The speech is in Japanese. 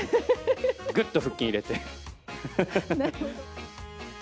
ぐっと腹筋入れて。